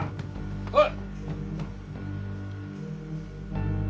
おい！